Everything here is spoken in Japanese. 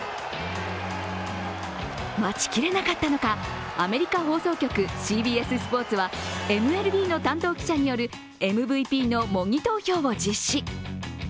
待ちきれなかったのか、アメリカ放送局、ＣＢＳスポーツはＭＬＢの担当記者によるＭＶＰの模擬投票を実施。